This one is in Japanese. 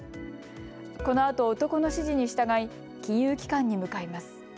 このあと、男の指示に従い金融機関に向かいます。